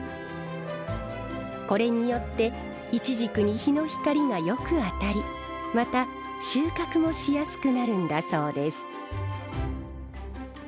これによっていちじくに日の光がよく当たりまた収穫もしやすくなるんだそうです。